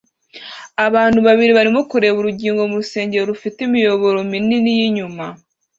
Abantu babiri barimo kureba urugingo mu rusengero rufite imiyoboro minini yinyuma